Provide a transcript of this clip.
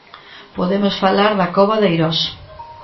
Podemos falar da cova de Eirós.